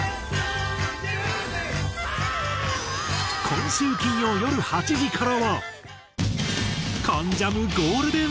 今週金曜よる８時からは。